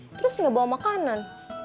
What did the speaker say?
terus gak bawa makanan